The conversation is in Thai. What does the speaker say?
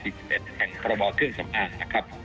ก็มีความผิดตามมาตรา๔๐๗ของภาระบอกเครื่องสำอางนะครับ